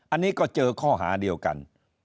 อันนี้ก็เจอข้อหาเดียวกัน